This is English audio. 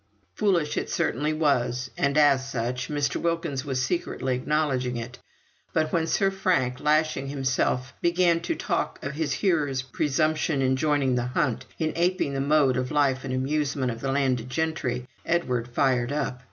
Foolish it certainly was, and as such Mr. Wilkins was secretly acknowledging it; but when Sir Frank, lashing himself, began to talk of his hearer's presumption in joining the hunt, in aping the mode of life and amusements of the landed gentry, Edward fired up.